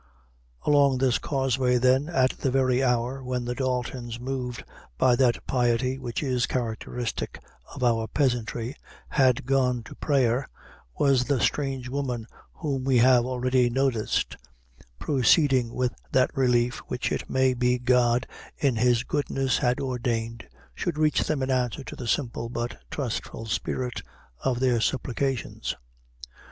Along this causeway, then, at the very hour when the Daltons, moved by that piety which is characteristic of our peasantry, had gone to prayer, was the strange woman whom we have already noticed, proceeding with that relief which it may be God in His goodness had ordained should reach them in answer to the simple but trustful spirit of their supplications.